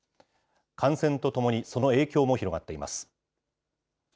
感染とともにその影響も広がっています。